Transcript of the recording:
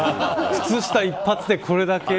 靴下一発で、これだけ。